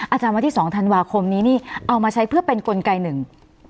อาจารย์วันที่สองธันวาคมนี้นี่เอามาใช้เพื่อเป็นกลไกหนึ่ง